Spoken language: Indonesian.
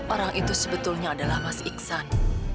orang itu sebetulnya adalah mas iksan